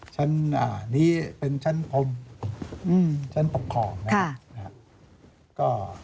ชั้นนี้เป็นชั้นอมชั้นปกครองนะครับ